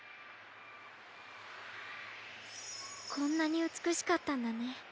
こんなにうつくしかったんだね。